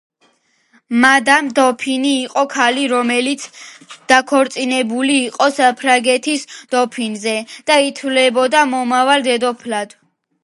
მადამ დოფინი იყო ქალი, რომელიც დაქორწინებული იყო საფრანგეთის დოფინზე და ითვლებოდა მომავალ დედოფლად.